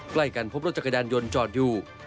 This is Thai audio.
ใกล้กันพบรถจักรยานยนต์จอดอยู่